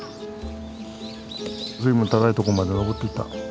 随分高いとこまで登ってった。